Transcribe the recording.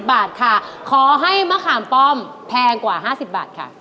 บาทค่ะขอให้มะขามป้อมแพงกว่า๕๐บาทค่ะ